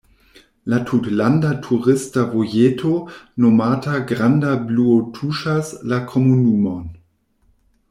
La tutlanda turista vojeto nomata granda bluo tuŝas la komunumon.